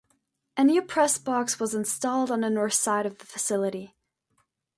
A new press box was installed on the north side of the facility.